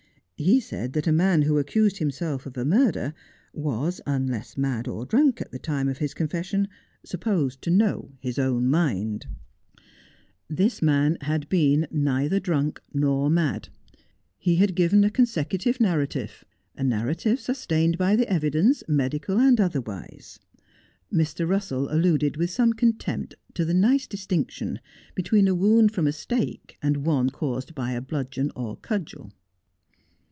He said that a man who accused himself of a murder was, unless mad or drunk at the time of his confession, supposed to know his own mind. This man had CO Just as I Am. been neither drunk nor mad. He had given a consecutive nar rative, a narrative sustained by the evidence, medical and other wise. Mr. Eussell alluded with some contempt to the nice distinction between a wound from a stake and one caused by a bludgeon or cudgel.